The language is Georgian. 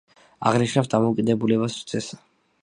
აღნიშნავს დამოკიდებულებას რძესთან.